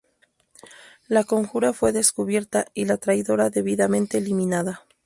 La conjura fue descubierta y la traidora debidamente eliminada.